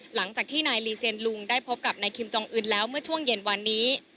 หลังจากที่นายลีเซียนลุงได้พบกับนายคิมจองอื่นแล้วเมื่อช่วงเย็นวันนี้